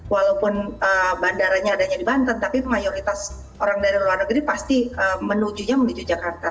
walaupun bandaranya adanya di banten tapi mayoritas orang dari luar negeri pasti menujunya menuju jakarta